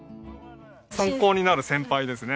参考になる先輩ですね